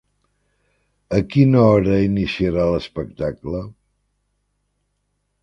A quina hora iniciarà l'espectacle?